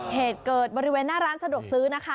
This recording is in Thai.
เหตุเกิดบริเวณหน้าร้านสะดวกซื้อนะคะ